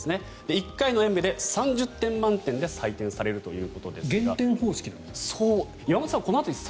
１回の演武で３０点満点で採点されるということですが。